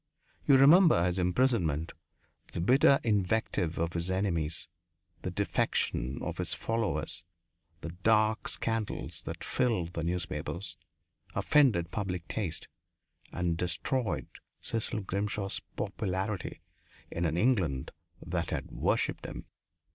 You remember his imprisonment; the bitter invective of his enemies; the defection of his followers; the dark scandals that filled the newspapers, offended public taste, and destroyed Cecil Grimshaw's popularity in an England that had worshipped him!